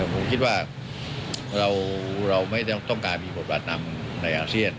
ผมคิดว่าเราไม่ต้องการมีบทบาทนำในอาเซียน